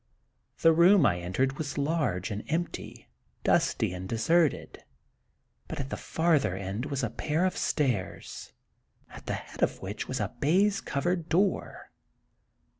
The room I entered was large and empty, dusty and deserted, but at the farther end was a pair of stairs, at the head of which was a baize covered dlopr.